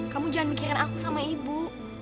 kamu jangan mikirkan aku sama ibu